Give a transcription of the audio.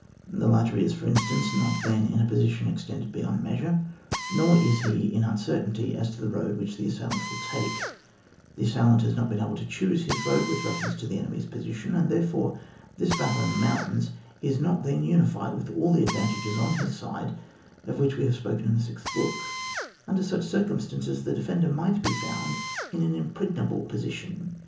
The latter is, for instance, not then in a position extended bej^ond measure, nor is he in uncertainty as to the road which the assailant will take ; the assailant has not been able to choose his road with refer ence to the enemy's position, and there fore this battle in the mountains is not then united with all those advantages on bis side of which we have spoken in the sixth book ; under such circumstances, the defender might be found in an im pregnable position.